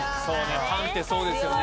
パンって、そうですよね。